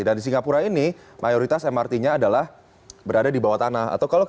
dan di singapura ini mayoritas mrt nya adalah berada di bawah tanah